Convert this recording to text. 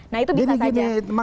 nah itu bisa saja